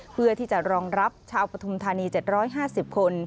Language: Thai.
เพื่อที่จะรองรับชาวปฐุมธานี๗๕๐คน